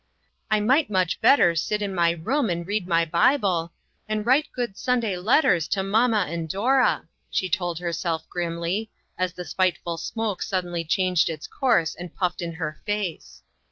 "I might much better sit in my room and read my Bible, and write good Sunday letters to mamma and Dora," she told her self, grimly, as the spiteful smoke suddenly changed its course and puffed in her face.